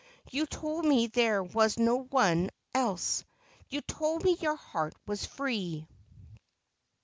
You told me there was no one else ; you told me your heart was free.'